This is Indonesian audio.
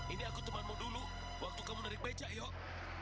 ini aku temanmu dulu waktu kamu menarik beca yuk